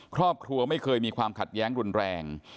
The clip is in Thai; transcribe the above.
ครอบครัวไม่เคยมีความขัดแย้งรุนแรง